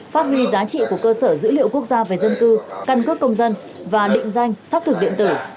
phát huy giá trị của cơ sở dữ liệu quốc gia về dân cư căn cước công dân và định danh xác thực điện tử